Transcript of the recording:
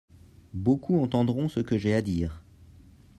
Beaucoup entendront ce que j'ai à dire.